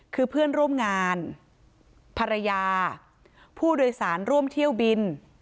คือเพื่อนร่วมงานภรรยาผู้โดยสารร่วมเที่ยวบิน